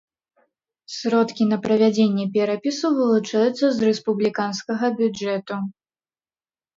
Сродкі на правядзенне перапісу вылучаюцца з рэспубліканскага бюджэту.